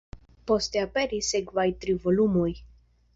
Poste aperis sekvaj tri volumoj.